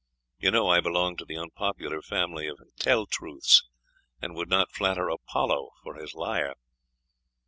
You know I belong to the unpopular family of Tell truths, and would not flatter Apollo for his lyre."